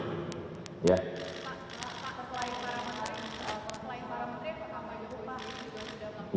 selain para menteri pak kamboi sendiri